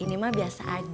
ini mah biasa aja